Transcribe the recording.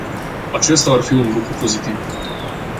Acesta ar fi un lucru pozitiv.